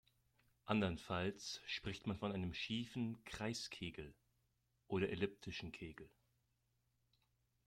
Andernfalls spricht man von einem "schiefen Kreiskegel" oder elliptischen Kegel.